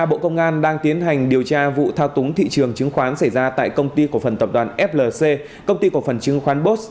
bộ công an đang tiến hành điều tra vụ thao túng thị trường chứng khoán xảy ra tại công ty cổ phần tập đoàn flc công ty cổ phần chứng khoán bos